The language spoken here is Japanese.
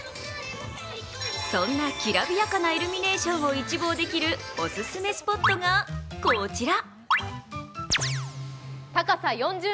そんなきらびやかなイルミネーションを一望できるおすすめスポットがこちら。